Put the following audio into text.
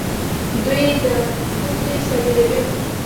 دوی دا توکي صادروي.